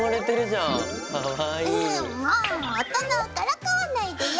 もう大人をからかわないでよ！